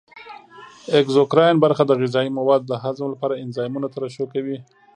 اګزوکراین برخه د غذایي موادو د هضم لپاره انزایمونه ترشح کوي.